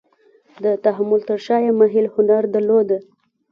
د تحمل تر شا یې محیل هنر درلود.